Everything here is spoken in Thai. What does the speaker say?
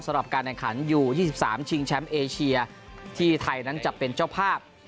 สำหรับการแข่งขันอยู่๒๓ชิงแชมป์เอเชียที่ไทยนั้นจะเป็นเจ้าภาพ